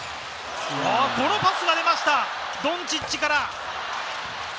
このパスが出ました、ドンチッチから。